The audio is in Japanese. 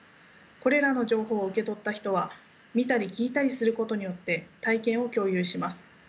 これらの情報を受け取った人は見たり聞いたりすることによって体験を共有します。